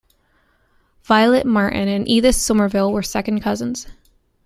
Violet Martin and Edith Somerville were second cousins.